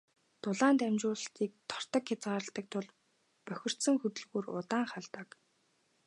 Дулаан дамжуулалтыг тортог хязгаарладаг тул бохирдсон хөдөлгүүр удаан халдаг.